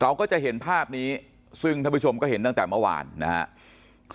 เราก็จะเห็นภาพนี้ซึ่งท่านผู้ชมก็เห็นตั้งแต่เมื่อวานนะครับ